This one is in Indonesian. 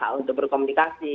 hak untuk berkomunikasi